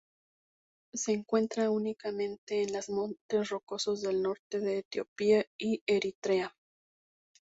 Se encuentra únicamente en las montes rocosos del norte de Etiopía y Eritrea.